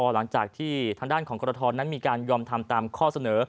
หลังจากที่ทางด้านของกรทนั้นมีการยอมทำตามข้อเสนอ